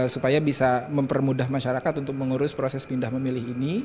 supaya bisa mempermudah masyarakat untuk mengurus proses pindah memilih ini